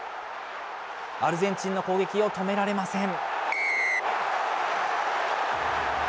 アルゼンチンの攻撃を止められません。